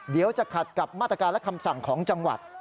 จะขัดกับมาตรการและคำสั่งของจังหวัด